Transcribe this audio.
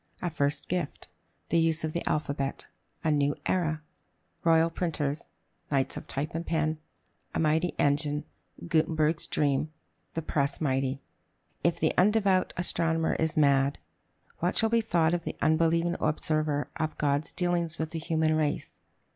A First Gift. The Use of the Alphabet. A New Era. Royal Printers. Knights of Type and Pen. A Mighty Engine. Gutenberg's Dream. The Press mighty. If the "undevout astronomer is mad," what shall be thought of the unbelieving observer of God's dealings with the human race?